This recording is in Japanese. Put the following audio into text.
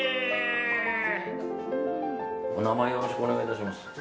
お名前をよろしくお願い致します。